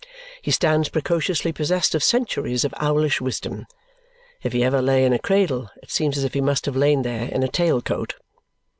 He stands precociously possessed of centuries of owlish wisdom. If he ever lay in a cradle, it seems as if he must have lain there in a tail coat.